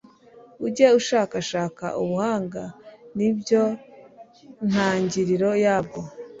ujye ushakashaka ubuhanga: ni byo ntangiriro yabwo